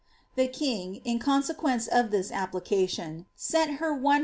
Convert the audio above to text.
'' The king, onaequence of this application, sent her 100